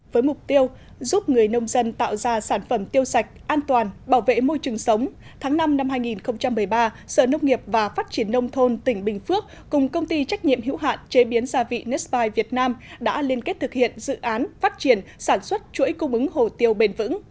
với mục tiêu giúp người nông dân tạo ra sản phẩm tiêu sạch an toàn bảo vệ môi trường sống tháng năm năm hai nghìn một mươi ba sở nông nghiệp và phát triển nông thôn tỉnh bình phước cùng công ty trách nhiệm hữu hạn chế biến gia vị nespai việt nam đã liên kết thực hiện dự án phát triển sản xuất chuỗi cung ứng hồ tiêu bền vững